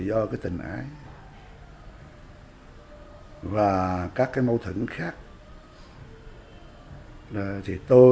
vội vàng chạy vào